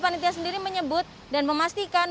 panitia sendiri menyebut dan memastikan